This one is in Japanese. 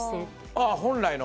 あ本来の？